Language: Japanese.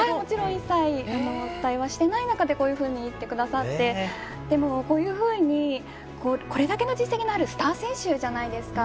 一切、言ってない中でそういうことを言ってくださってこういうふうにこれだけの実績のあるスター選手じゃないですか。